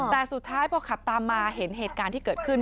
แต่สุดท้ายพอขับตามมาเห็นเหตุการณ์ที่เกิดขึ้น